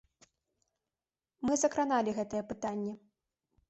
Мы закраналі гэтае пытанне.